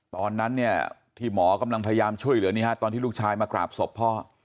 ตอนนั้นเนี่ยที่หมอกำลังพยายามช่วยเหลือตอนที่ลูกชายมากราบศพพ่อ